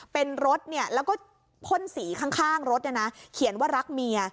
เป็นรถเนี่ยแล้วก็พ่นสีข้างรถเนี่ยนะเขียนว่ารักเมีย